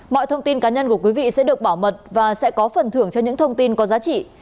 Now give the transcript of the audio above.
mọi thông tin cá nhân của quý vị sẽ được bảo mật và sẽ có phần thưởng cho những thông tin có giá trị